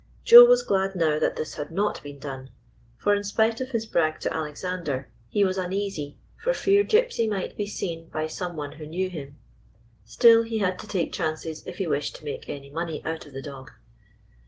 Joe was glad now that this had not been done, for, in spite of his brag to Alexander, he was uneasy for fear Gypsy might be seen by some one who knew him. Still, he had to take chances if he wished to make any money out of the dog.